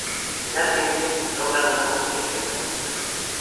Finalmente, logran una convivencia pacifica.